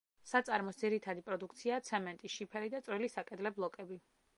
საწარმოს ძირითადი პროდუქციაა ცემენტი, შიფერი და წვრილი საკედლე ბლოკები.